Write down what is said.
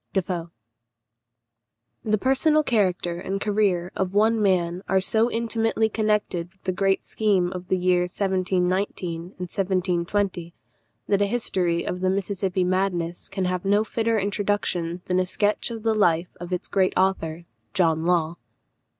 Defoe. The personal character and career of one man are so intimately connected with the great scheme of the years 1719 and 1720, that a history of the Mississippi madness can have no fitter introduction than a sketch of the life of its great author John Law.